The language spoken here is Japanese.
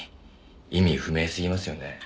意味不明すぎますよね。